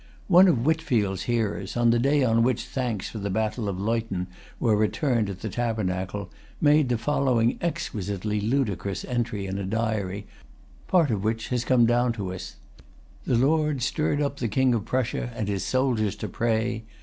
One of Whitfield's hearers, on the day on which thanks for the battle of Leuthen were returned at the Tabernacle, made the following exquisitely ludicrous entry in a diary, part of which has come down to us: "The Lord stirred up the King of Prussia and his soldiers to pray.